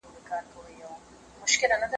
که پلان سم پلی نه سي نو پایلې به یې خرابې وي.